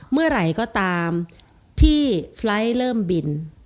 เมื่อไหร่ก็ตามที่ไฟล์ทเริ่มบิน